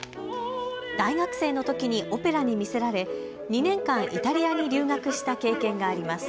大学生のときにオペラに魅せられ２年間、イタリアに留学した経験があります。